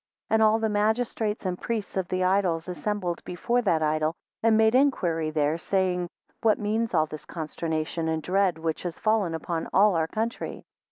10 And all the magistrates and priests of the idols assembled before that idol, and made inquiry there, saying, What means all this consternation, and dread, which has fallen upon all our country?